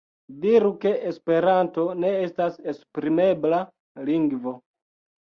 Diru ke esperanto ne estas esprimebla lingvo.